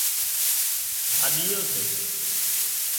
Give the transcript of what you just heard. هاڏيو سي